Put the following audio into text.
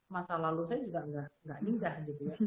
masa lalu saya juga nggak indah gitu ya